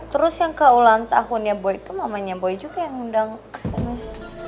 terus yang keulang tahunnya boy tuh mamanya boy juga yang ngundang ke mesin